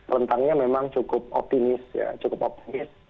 rentangnya memang cukup optimis ya cukup optimis